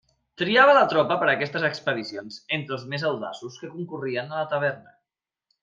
Triava la tropa per a aquestes expedicions entre els més audaços que concorrien a la taverna.